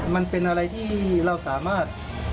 มันเป็นอะไรที่เราสามารถ